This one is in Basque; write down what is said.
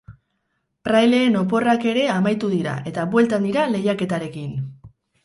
Praileen oporrak ere amaitu dira eta bueltan dira lehiaketarekin!